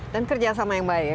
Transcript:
dan kerjasama yang baik ya